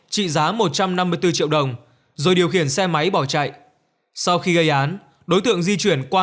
trị giá một trăm năm mươi bốn triệu đồng rồi điều khiển xe máy bỏ chạy sau khi gây án đối tượng di chuyển qua